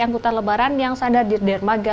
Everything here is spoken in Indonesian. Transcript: angkutan lebaran yang sadar di dermaga